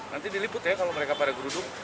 nanti diliput ya kalau mereka pada gerudung